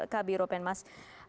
kak biro penmas